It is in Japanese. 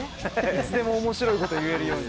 いつでも面白い事言えるように。